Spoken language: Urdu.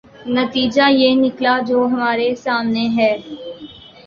نتیجہ یہ نکلا جو ہمارے سامنے ہے۔